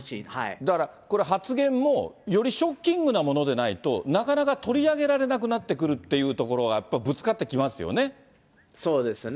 だからこれ、発言もよりショッキングなものでないと、なかなか取り上げられなくなってくるっていうところが、やっぱぶつかっそうですね。